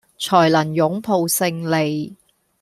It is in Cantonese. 才能擁抱勝利